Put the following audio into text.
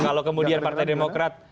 kalau kemudian partai demokrat